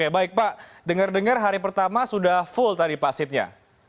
baik pak dengar dengar hari pertama sudah full tadi pasitnya